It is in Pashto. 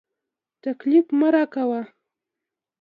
تکليف مه راکوه.